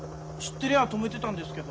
てりゃ止めてたんですけど。